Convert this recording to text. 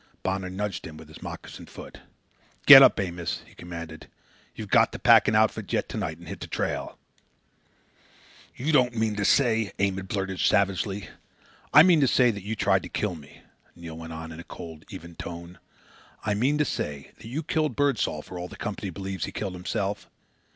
Bonner nudged him with his moccasined foot. "Get up, Amos!" he commanded. "You've got to pack an outfit yet to night and hit the trail." "You don't mean to say " Amos blurted savagely. "I mean to say that you tried to kill me," Neil went on in cold, even tones. "I mean to say that you killed Birdsall, for all the Company believes he killed himself.